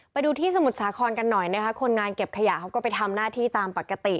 ไปดูที่สมุทรสาครกันหน่อยนะคะคนงานเก็บขยะเขาก็ไปทำหน้าที่ตามปกติ